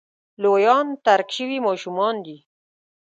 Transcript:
لویان ترک شوي ماشومان دي.